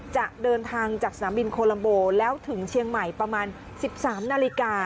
จะเดินทางจากสนามบินโคลัมโบแล้วถึงเชียงใหม่ประมาณ๑๓นาฬิกา